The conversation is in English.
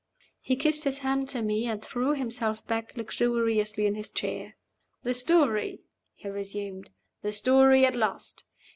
He kissed his hand to me, and threw himself back luxuriously in his chair. "The story," he resumed. "The story at last!